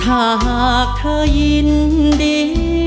ถ้าหากเธอยินดี